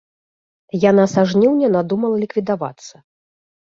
Яна са жніўня надумала ліквідавацца.